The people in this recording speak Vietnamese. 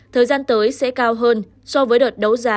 thời gian tới sẽ cao hơn so với đợt đấu giá